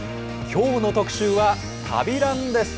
きょうの特集は、旅ランです。